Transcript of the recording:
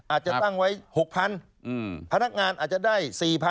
อาจจะตั้งไว้๖๐๐พนักงานอาจจะได้๔๐๐๐